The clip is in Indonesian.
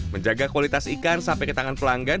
menjaga kualitas ikan sampai ke tangan pelanggan